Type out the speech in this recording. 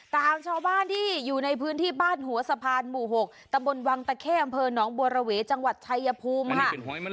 ตามชาวบ้านที่อยู่ในพื้นที่บ้านหัวสะพานหมู่๖ตำบลวังตะเข้อำเภอหนองบัวระเวจังหวัดชายภูมิค่ะ